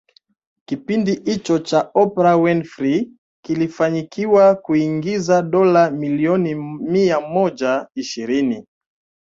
Kipindi hicho cha Oprah Winfrey kilifanikiwa kuingiza dola milioni mia moja ishirini